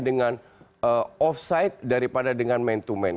dengan offside daripada dengan main to main